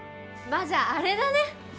まあじゃああれだね。